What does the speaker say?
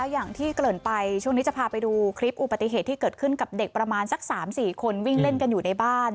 อย่างที่เกริ่นไปช่วงนี้จะพาไปดูคลิปอุบัติเหตุที่เกิดขึ้นกับเด็กประมาณสัก๓๔คนวิ่งเล่นกันอยู่ในบ้าน